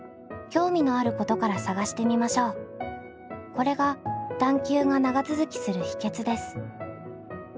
これが探究が長続きする秘けつです。